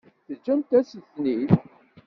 Teǧǧamt-asen-ten-id.